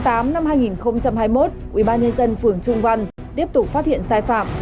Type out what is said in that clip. tháng tám năm hai nghìn hai mươi một ủy ban nhân dân phường trung văn tiếp tục phát hiện sai phạm